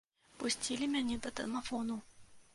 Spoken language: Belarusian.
Пусцілі мяне да дамафону.